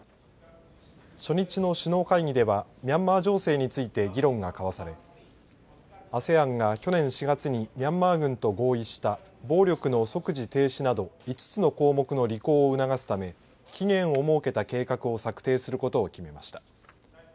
初日の首脳会議ではミャンマー情勢について議論が交わされＡＳＥＡＮが去年４月にミャンマー軍と合意した暴力の即時停止など５つの項目の履行を促すため期限を設けた計画を策定することを決めました。